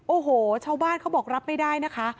โอ้โหชาวบ้านเขาบอกรับไม่ได้นะคะ